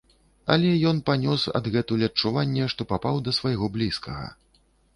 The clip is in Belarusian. Але ён панёс адгэтуль адчуванне, што папаў да свайго блізкага.